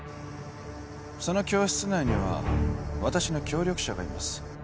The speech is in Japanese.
その教室内には私の協力者がいます